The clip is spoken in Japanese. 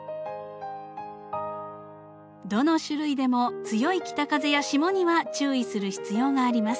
どの種類でも強い北風や霜には注意する必要があります。